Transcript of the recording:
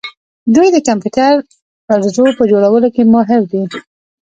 دوی د کمپیوټر پرزو په جوړولو کې ماهر دي.